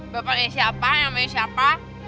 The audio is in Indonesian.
bapaknya siapa yang mau siapa